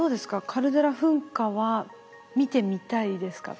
カルデラ噴火は見てみたいですか？